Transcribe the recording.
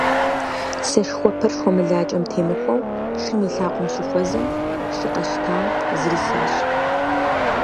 Сэшхуэпэр шхуэмылакӀэм темыхуэу шым и лъакъуэм щыхуэзэм, шы къэщтам зрисащ.